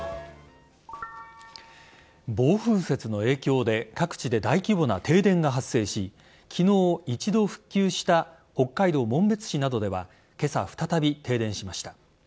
暴風雪の影響で各地で大規模な停電が発生し昨日、一度復旧した北海道紋別市などでは今朝再び停電しました。